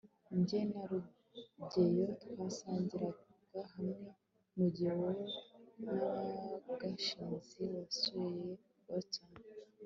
jye na rugeyo twasangiraga hamwe mugihe wowe na gashinzi wasuye boston